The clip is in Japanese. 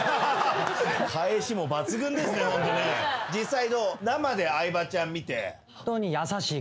実際どう？